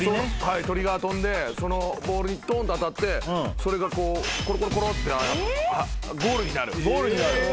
鳥が飛んでそのボールにどんと当たってそれがころころころってゴールになる。